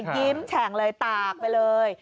ยิ้มแฉ่งเลยตากไปเลย